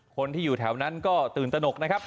คนที่อยู่แถวนั้นก็ตื่นตนกนะครับ